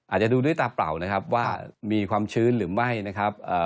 อาจจะดูด้วยตาเปล่านะครับว่ามีความชื้นหรือไม่นะครับ